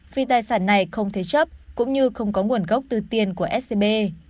vì tài sản này không thế chấp cũng như không có nguồn gốc từ tiền của scb